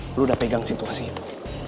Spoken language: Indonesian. dulu udah pegang situasi itu